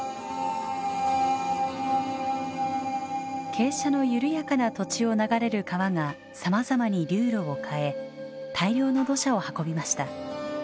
傾斜の緩やかな土地を流れる川がさまざまに流路を変え大量の土砂を運びました。